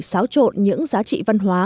xáo trộn những giá trị văn hóa